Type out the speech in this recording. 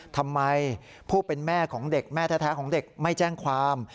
ทำไมผู้เป็นแม่ของเด็กแม่แท้ของเด็กไม่แจ้งความ